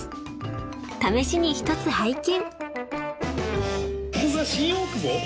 ［試しに一つ拝見］